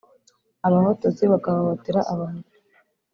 abahotozi bagahohotera abahutu.